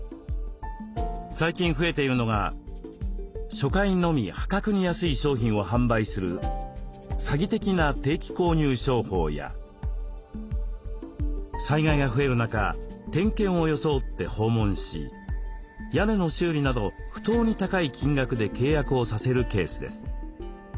最近増えているのが初回のみ破格に安い商品を販売する詐欺的な定期購入商法や災害が増える中点検を装って訪問し屋根の修理など不当に高い金額で契約をさせるケースです。